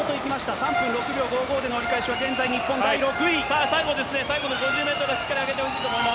３分６秒５５での折り返しは現在、さあ、最後ですね、最後の５０メートルをしっかり上げてほしいと思います。